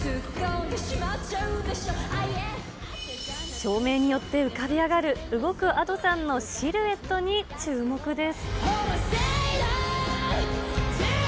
照明によって浮かび上がる動くＡｄｏさんのシルエットに注目です。